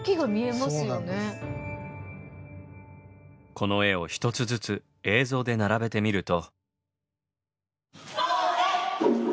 この絵を１つずつ映像で並べてみると。